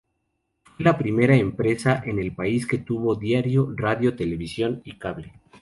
Fue la primera empresa en el país que tuvo diario, radio, televisión y cable.